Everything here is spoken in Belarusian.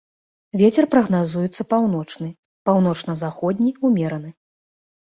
Вецер прагназуецца паўночны, паўночна-заходні ўмераны.